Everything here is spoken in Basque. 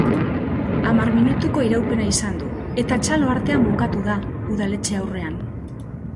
Hamar minutuko iraupena izan du eta txalo artean bukatu da, udaletxe aurrean.